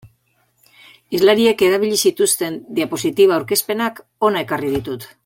Hizlariek erabili zituzten diapositiba aurkezpenak hona ekarri ditut.